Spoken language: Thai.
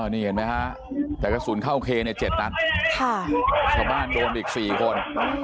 นี่เห็นไหมฮะแต่กระสุนเข้าเคใน๗นัดชาวบ้านโดนอีก๔คน